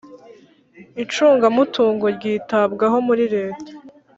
Icungamutungo ryitabwaho muri leta.